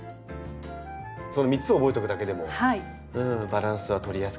その３つを覚えておくだけでもバランスは取りやすくなる。